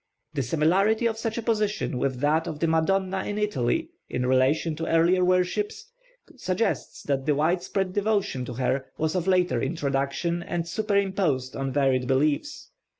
The similarity of such a position, with that of the Madonna in Italy in relation to earlier worships, suggests that the widespread devotion to her was of later introduction and superimposed on varied beliefs.